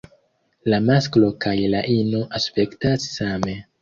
La masklo kaj la ino aspektas same.